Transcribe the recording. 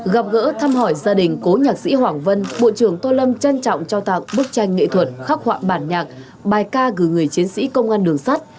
gặp gỡ thăm hỏi gia đình cố nhạc sĩ hoàng vân bộ trưởng tô lâm trân trọng trao tặng bức tranh nghệ thuật khắc họa bản nhạc bài ca gửi người chiến sĩ công an đường sắt